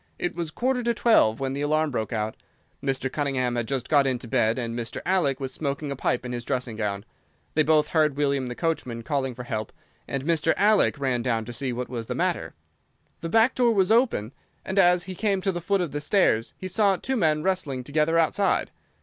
It was quarter to twelve when the alarm broke out. Mr. Cunningham had just got into bed, and Mr. Alec was smoking a pipe in his dressing gown. They both heard William the coachman calling for help, and Mr. Alec ran down to see what was the matter. The back door was open, and as he came to the foot of the stairs he saw two men wrestling together outside.